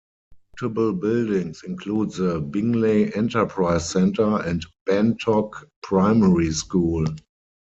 Notable buildings include the Bingley Enterprise Centre and Bantock Primary School.